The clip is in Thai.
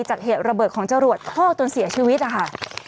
จากเหตุระเบิดของเจ้าหลวดพ่อต้นเสียชีวิตนะคะ